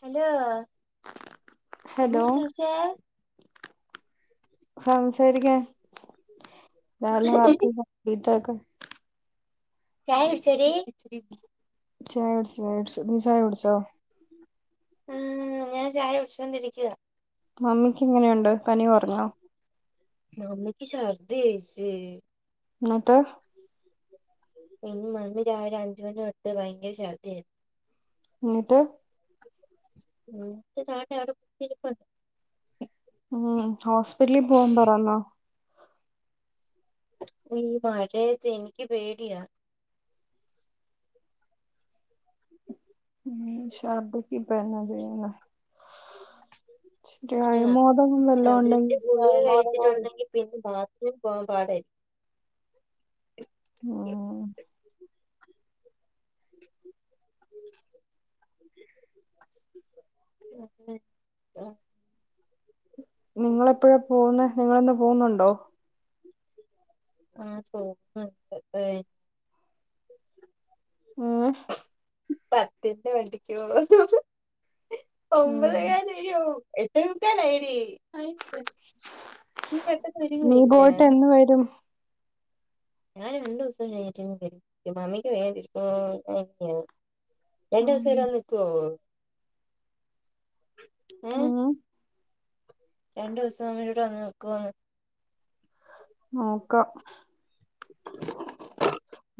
Hello hello [unintelligible] തെരക്ക അല്ല വർക്കെയ്യ [unintelligible] ചായൊട്ച്ചൊടി ചായുട് ച്ച് ചായുട്ച്ച് നീ ചായോട് ച്ചോ ഉം ഞാൻ ചായ കുടിച്ചോണ്ടിരിക്ക മമ്മിക്ക് എങ്ങനെയുണ്ട് പനി കൊർഞ്ഞോ ശർദിയേച്ചി ന്നട്ട് ഇന്ന് മന്ന് രാവിലെ അഞ്ച മണിയൊട്ട് ഭയങ്കര ശഛർധിയായിരുന്നു എന്നിട്ട് എന്നട്ട് [unintelligible] കുത്തിരിപ്പാണ് ഉം ഹോസ് പിറ്റലി പോവാം പറ ന്ന ഈ മഴയത്തേച്ച് എനിക്ക് പേടിയാ ഉം ശർദക്ക് ഇപ്പെന്നാ ചെയ്യാന്നാ ച്ചിരി പിന്നെ അയമോദകം വല്ലൊ ഒണ്ടെങ്കി ഛർദിയുടെ ച്ചിരി അയമോദകം വ മില് പോവാൻ പാടെ മ് [unintelligible] ആഹ് നിങ്ങളെപ്പഴാ പോവുന്നെ നിങ്ങളിന്ന് പോവുന്നുണ്ടോ ആഹ് ചോപ്പാ എട്ത്തതെയ് മ്ഹ് പത്തിന്റെ വണ്ടിക്ക്യോ ഉം ഒമ്പതേക്കാല് [unintelligible] എട്ടേ മുക്കലായടീ നീ പോയിട്ട് എന്ന് വരും ഞാന് രണ്ടൂസം കഴിഞ്ഞിട്ടിങ്ങ് വരും മമ്മിക്ക് [unintelligible] ഉം രണ്ടോസം ഇവിടെ വന്ന് നിക്കോ മ്ഹ് രണ്ടോസം മമ്മിടെ കൂടെ വന്ന് നിക്കോന്ന് നോക്കാ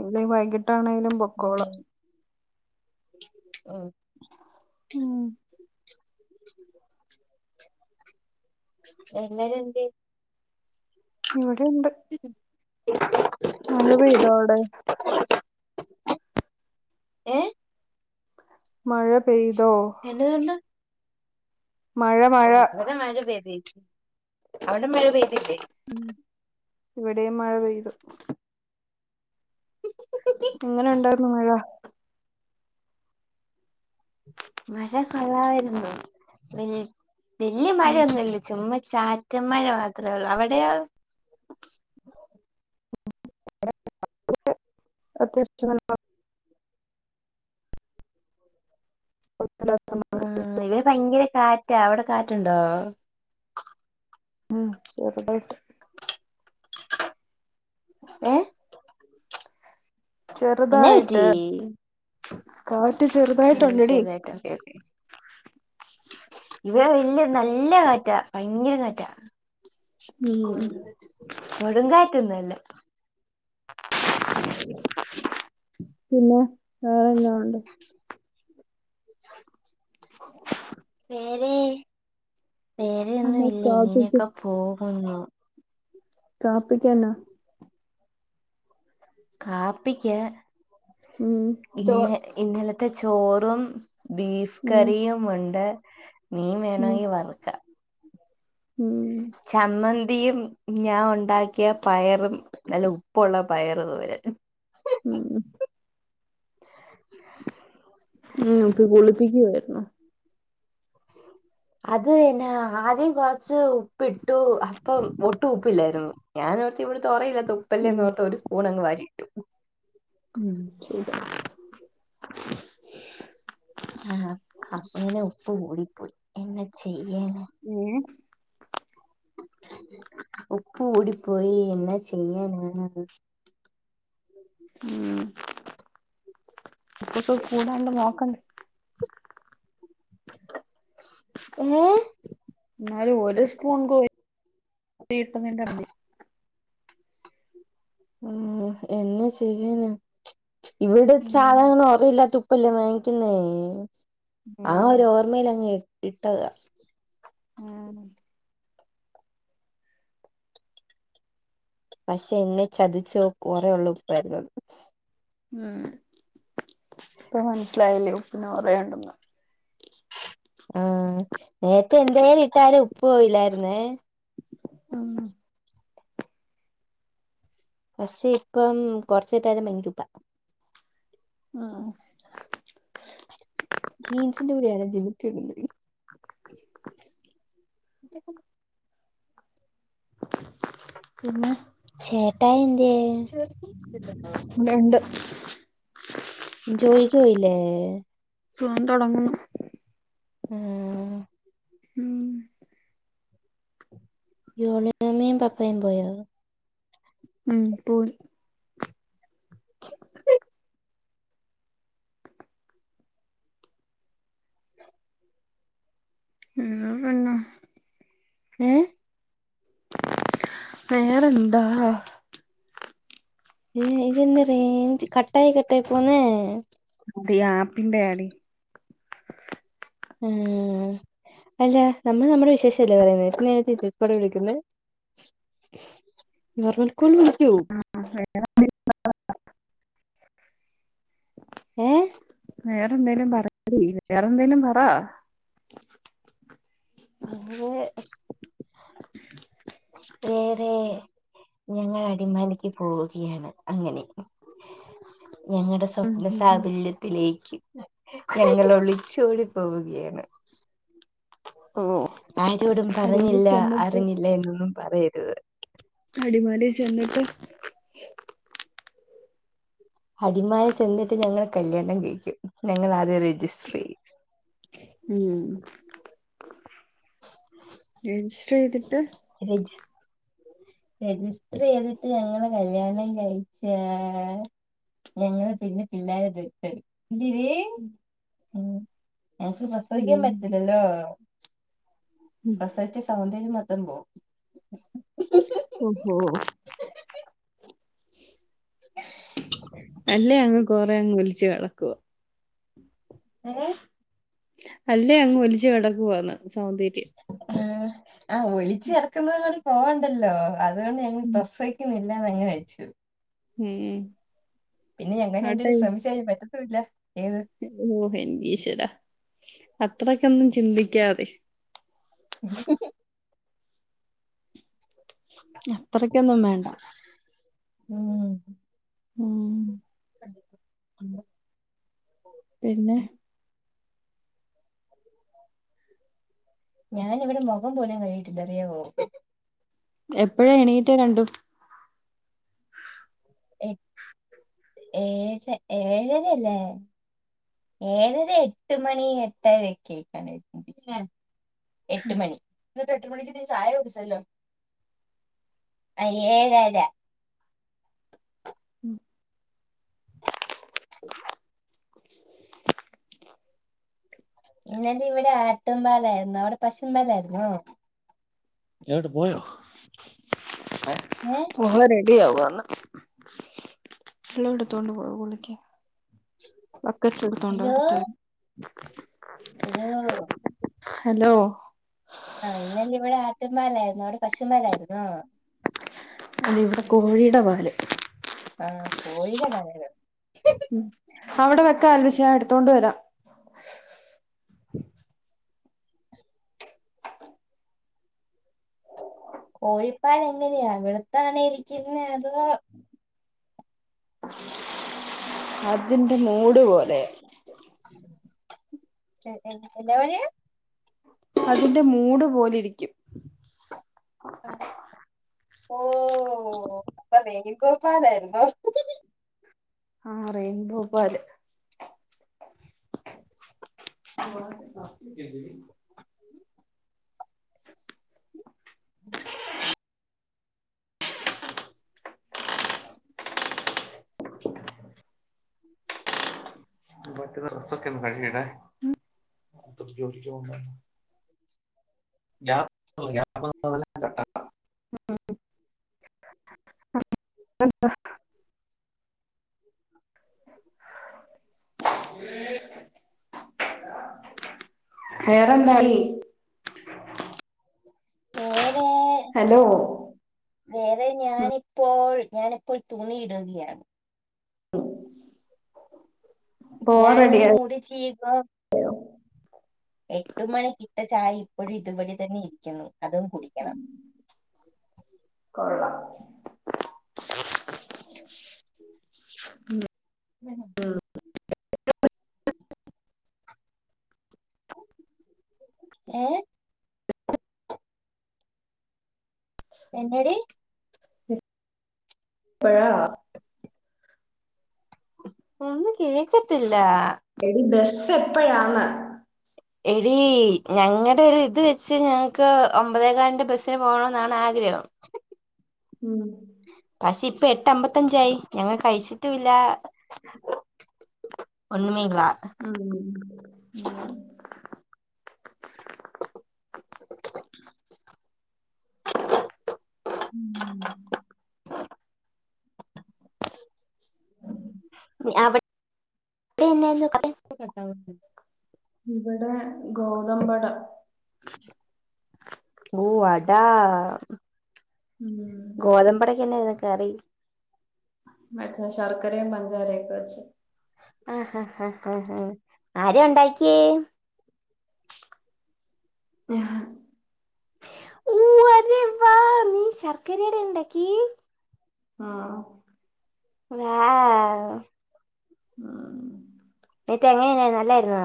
ഇന്നെ വൈകി ട്ടാണെങ്കിലും പൊക്കോളാ ഉം ഉം ഉം എല്ലരും എന്തേ ഇവട് ടെണ്ട് മഴ പെയ്തൊ അവടെ ഏഹ് മഴ പെയ്തോ എന്നതുകൊണ്ട് മഴ മഴ ഓ ഇത് വരെ മഴ പെയ്തിൻ അവിടെ മഴ പെയ്തില്ലെ മ് ഇവിടേം മഴ പെയ്തു എങ്ങനെ ഇണ്ടായിര്ന്നു മഴ മഴ കൊള്ളാമായിര്ന്നു പിന്നെ വെല്യേ ഉം, മഴയൊന്നുല്ല ചുമ്മ ചാറ്റ മഴ മാത്രേ ഉള്ളൂ അവടെയോ [unintelligible] അത്യാവശ്യം നല്ല കുഴപ്പമില്ലാത്ത മഴ. ആ ഇവെടെ ഭയങ്കര കാറ്റാ അവടെ കാറ്റ്ണ്ടോ മ് ചെർതായ്ട്ട് ഏ എന്നാ ചെറുതായിട്ട് കാ ഏഹ് ചെറുതായിട്ടൊക്കെ ഇവിടെ ഇല്ല നല്ല കാറ്റാ ഭയങ്കര കാറ്റാ ഉം കൊടുങ്കാറ്റൊന്നുല്ല വേറെന്താ ഉണ്ട് വേറെ വേറെ ഒന്നും ഇല്ല ഇങ്ങനെയൊക്കെ [unintelligible] [unintelligible] കാപ്പിക്കെന്നാ കാപ്പിക്ക ഉം ജോ ഇന്നലത്തെ ചോറും ബീഫ് ഉം കറിയും ഉണ്ട് ഉ മീൻ ഉം വേണോങ്കി വർക്കാം ഉം ചമ്മന്തിയും ഞാൻ ഉണ്ടാക്കിയ പയറും നല്ല ഉപ്പുള്ള പയറ തോരനും ഉം ഉ ഉം ഉപ്പി കുളിപ്പിക്കുവായിരുന്നോ അത് എന്നെ ആദ്യം കുറച്ച് ഉപ്പി ട്ടു അപ്പം ഒട്ടും ഉപ്പില്ലായിരുന്നു ഞാൻ നേരത്തെ ഇവിടെ തോരൻ ഇല്ലാത്തോ ഉപ്പല്ലേന്ന് ഓർത്തു ഒരു സ്പൂൺ അങ്ങ് വാരി ഇട്ടു ഉം ആഹ് അപ്പ് ഇങ്ങനെ ഉപ്പ് കൂടിപ്പോയി എന്നെ ചെയ്യ് ഏഹ് ഉപ്പ് കൂടി പോയി എന്നാ ചെയ്യനാണ് അത് ഉം ഉപ്പൊക്കെ കൂടാണ്ട് നോക്ക ഏ എന്നല് ഒരു സ്പൂൺ കോഴ ഇട്ടന്നീ ഇറങ്ങ ഉ എന്നെ ചെയ്യാന ഇവിടെ ഉം സാധാരണ ഉറയില്ലാത്ത ഉപ്പല്ലേ വാങ്ങിക്കുന്നേ ആ ഉം ഒരു ഓർമ്മൽങ്ങ ഇട്ടത മ് പക്ഷെ എന്നെ ചതിച്ച കൊറെേള്ള ഉപ്പായിരുന്നുത് ഉം ഇപ്പ മനസിലായില്ലേ ഉപ്പിനും പറയണ്ടെന്ന് ആഹ നേരത്തെ എന്തായാലും ഇട്ടാലും ഉപ്പ് പോയില്ലായിരുന്നേ ഉം പക്ഷെ ഇപ്പം കൊറച്ചിട്ടാലും ഭയങ്കര ഉപ്പാ ആ ജീൻസിന്റെ കൂടെ ആരാ ജിമുക്ക ഇടുന്നത് ഇതെപ്പം പിന്നെ ചേട്ടായി എന്തിയേ ഇവിടൊണ്ട് ജോലിക്ക് പോയില്ലേ പോകാൻ തുടങ്ങുന്നു ഉം ഉം [unintelligible] മമ്മിയും പപ്പയും പോയോ ഉം പോയി എന്നാ പിന്നെ ഉം വേറെന്താ ഏ ഇതന്താ റേഞ്ച് കട്ടായി കട്ട് ട്ടായി പോന്നെ അത് ഈ ആപ്പിന്റെ ആടി ഉ അല്ല നമ്മൾ നമ്മുടെ വിശേഷല്ലേ പറയുന്നത് [unintelligible] വിളിക്കുന്നെ നോർമൽ കോൾ വിളിക്കു ഏ വേറെ എന്തേലും പറയടി വേറെന്തേലും പറ എങ്ങനെ വേറെ ഞങ്ങൾ അടിമാലിക്ക് പോവുകയാണ് അങ്ങനെ ഞങ്ങടെ ഉം സ്വപ്ന ഉം ഉം സാബല്യത്തിലേക്ക് ഞങ്ങൾ ഒളിച്ചോടി പോവുകയാണ് ഓ ആരോടും അടിമാലി പറഞ്ഞില്ല ചെന്നിട്ട് അറിഞ്ഞില്ല എന്നൊന്നും പറയല്ല് അതെ അടിമാലി ചെന്നിട്ട് അടിമാലി ചെന്നിട്ട് ഞങ്ങൾ കല്യാണം കഴി ക്കും ഞങ്ങൾ ആദ്യം രജിസ്റ്റർ ചെയ്യും ഊം രജിസ്റ്റർ ചെയ്തിട്ട് രജി രജിസ്റ്റർ ചെയ്തിട്ട് ഞങ്ങള് കല്യാണം കഴിച്ചാ ഞങ്ങള് പിന്നെ പിള്ളാരെ ദത്തെടുക്കും [unintelligible] എനക്ക് പ്രസവിക്കാൻ ഉം പറ്റില്ലല്ലോ ഉം പ്രസവിച്ച് സൗന്ദ ര്യം മൊത്തം പോവും ഒഹോ അല്ലേ അങ്ങ് കൊ - അങ്ങ് വിലിച്ച് കെടക്കുവാ ഏഹ് അല്ലേ അങ്ങ് ഒലിച്ചു കെടക്കുവാന്ന് സൗന്ദ- ആ ആ ഒളിച്ച് ഒളിച്ച് നടക്കുന്നത് യെന്ന് - പോ ഉണ്ടല്ലോ അതുകൊണ്ട് ഞങ്ങള് ഉം. പ്രസവിക്കുന്നില്ല അല്ലാതെ അങ്ങ് കഴിച്ചു ഉം പിന്നെ ഞങ്ങൾ ആട്ടെ രണ്ടുപേരും ശ്രമിച്ച ഇത് പറ്റൂ ഇല്ല ഓ എൻ്റെ ഈശ്വര അത്രക്കക്ക്‌ ഒന്നും ചിന്തിക്കാത [inaudible] അത്രക്ക്‌ ഒന്നും വേണ്ട ഉം ഉം പിന്നെ ഞാൻ ഇവിടെ മോഹം പോലും കഴികിട്ടില്ല അറിയാമോ എപ്പോഴാ എണീറ്റേ രണ്ടും ഏഴ് ഏഴരല്ലേ ഏഴര എട്ട് മണി എട്ടര യൊക്കെ യായി എട്ട് മണി ഇന്നെട്ട് എട്ട് മണിക്ക് നീ ചായ കുടിച്ചല്ലോ. അ ഏഴര ഇന്നല ഇവിടെ ആട്ടുംപാലായിരുന്നു അവിടെ പശും പാലായിരുന്നോ? ഏടെ പോയോ [unintelligible] ഏ [unintelligible] എടുത്തോണ്ട് പൊ പൊളിക്ക് ബക്കറ്റ് എടുത്തോണ്ട് ഹലോ ഹലോ [unintelligible] ഹലോ ആ ഇന്നലെ ഇവിടെ ആട്ടുംപാലായിരുന്നു അവിടെ പശുവുംപാലായിരുന്നോ അത് ഇവിടെ കോഴീടെ വാല് ആഹ് കോയീടെ [unintelligible] ഉം. അവിടെ വെക്ക് ആൽബിച്ചാ എടുത്തോണ്ട് വരാം കോഴിപ്പാല് എങ്ങനെയ വെളുത്താണോ ഇരിക്കുന്നെ അതോ അർജൻ മൂട് പോലെ എ എന്നാ [unintelligible] അതിന്റെ മൂട് പോലെ ഇരിക്കും ആ, ഓ ഓ [unintelligible] പോപ്പാലായിരുന്നോ? ആഹ് റയിൻ ബോ പാല്. [unintelligible] [unintelligible] [unintelligible] വേറെന്തായി? ഏഹ് ഹലോ വേറെ ഞാനിപ്പോൾ ഞാനിപ്പോൾ തുണിയിടുകയാണ്. പോവാൻ ഞാൻ ഇനി റെഡിയായി മുടി ചീകാ എട്ട് മണിക്കിട്ട ചായ ഇപ്പോഴും ഇതുപടി തന്നെ ഇരിക്കുന്നു. അതും കുടിക്കണം. കൊളളാം. ഉ ഉം ഏ എന്നടി പ്പഴ ഒന്നും കേക്കത്തില്ല എടി ബസ്സ് എപ്പഴാന്ന് രീ ഞങ്ങളൊരിത് വെച്ച് ഞങ്ങക്ക് ഒമ്പതേകാൽന്റെ ബസ്സ്ന് പോകണംന്നാണ് ആഗ്രഹം ഉം പക്ഷേ ഇപ്പൊ എട്ടേ അംമ്പത്തഞ്ചായി ഞങ്ങൾ കഴിച്ചിട്ടൂല്ല ആ ഉം ആ [inaudible] ഉം [unintelligible] ഇവിടെ ഗോതമ്പട ഓഹ് അതാ [unintelligible] ഉം. കറി ശർക്കരയും പഞ്ചസാരയും വെച്ച് ആ ആ ആരാ ഉണ്ടാക്കിയേ ഹ് വെരി വാ നീ ശർക്കര ആയിട്ടാണ് ഉണ്ടാക്കിയെ ആ വാവു മം ഇങ്ങട്ട് എങ്ങനെ ഉണ്ടായിരുന്നു നല്ലതായിരുന്നു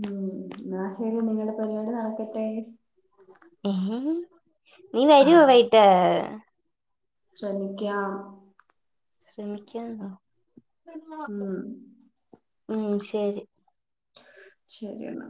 മം എന്നാ ശരി ഇങ്ങളേ പരിപാടി നടക്കട്ടെ എ നീ വരുമോ വൈകിട്ട് ഫ്രണ്ട് ക്യം ശ്രമിക്കാന്നോ ഉം ഹമ് ശെരി ശരി അണ്ണാ